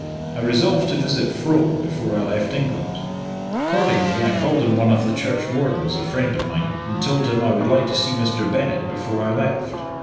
I resolved to visit Frome before I left England. Accordingly I called on one of the church wardens, a friend of mine, and told him I would like to see Mr. Bennett before I left.